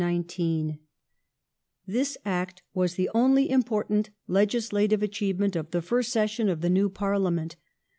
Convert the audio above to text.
Reform This Act was the only important legislative achievement of the proposals ^^^^ session of the new Parliament.